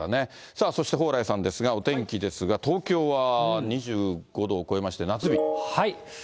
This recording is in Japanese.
さあ、そして蓬莱さんですが、お天気ですが、東京は２５度を超えまして、夏日。